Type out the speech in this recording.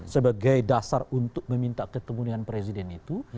sebagai dasar untuk meminta ketemu dengan presiden itu